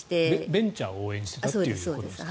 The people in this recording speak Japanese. ベンチャーを応援するということですね。